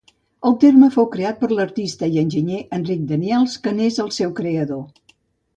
El terme fou creat per l'artista i enginyer Eric Daniels que n'és el seu creador.